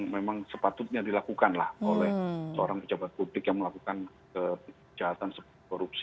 memang sepatutnya dilakukanlah oleh seorang pejabat publik yang melakukan kejahatan korupsi